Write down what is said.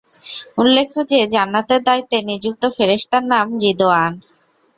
উল্লেখ্য যে, জান্নাতের দায়িত্বে নিযুক্ত ফেরেশতার নাম রিদওয়ান।